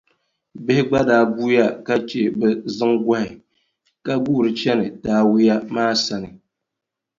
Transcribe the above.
Bihi gba daa guuya ka che bɛ ziŋgɔhi ka guuri chani Tawia maa sani.